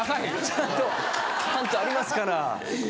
ちゃんとありますから。